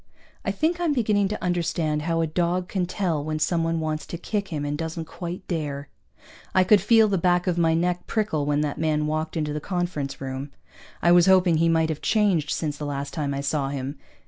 I think I'm beginning to understand how a dog can tell when someone wants to kick him and doesn't quite dare. I could feel the back of my neck prickle when that man walked into the conference room. I was hoping he might have changed since the last time I saw him.